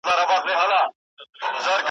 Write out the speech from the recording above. تاله کوم ځایه راوړي دا کیسې دي .